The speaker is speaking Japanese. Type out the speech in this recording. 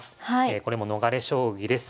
これも逃れ将棋です。